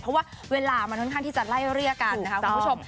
เพราะว่าเวลามันค่อนข้างที่จะไล่เรียกกันนะคะคุณผู้ชม